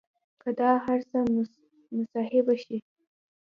که دا هر څه محاسبه شي